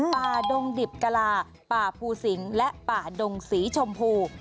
ดงดิบกะลาป่าภูสิงและป่าดงสีชมพู